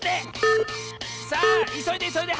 さあいそいでいそいで！